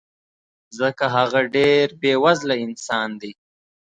ځکه هغه ډېر بې وزله انسان دی